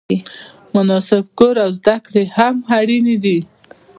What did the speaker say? مناسب کور او زده کړې هم اړینې دي.